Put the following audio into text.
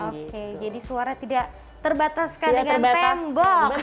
oke jadi suara tidak terbataskan dengan tembok